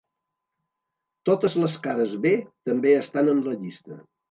Totes les cara-B també estan en la llista.